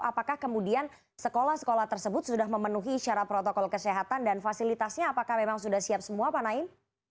apakah kemudian sekolah sekolah tersebut sudah memenuhi syarat protokol kesehatan dan fasilitasnya apakah memang sudah siap semua pak naim